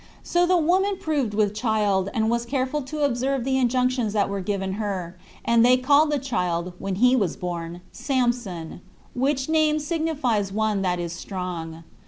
4. So the woman proved with child, and was careful to observe the injunctions that were given her; and they called the child, when he was born, Samson, which name signifies one that is strong.